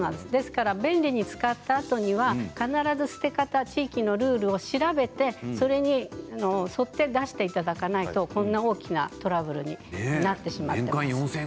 便利に使ったあとには必ず捨て方、地域のルールを調べて、それに沿って出していただかないとこんな大きなトラブルになってしまいます。